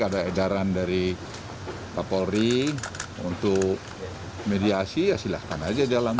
ada edaran dari kapolri untuk mediasi ya silahkan aja jalan